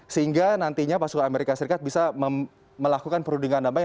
sehingga nantinya pasukan amerika serikat bisa melakukan perundingan damai